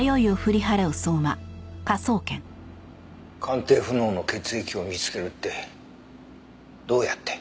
鑑定不能の血液を見つけるってどうやって？